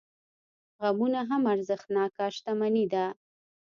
غمونه هم ارزښتناکه شتمني ده.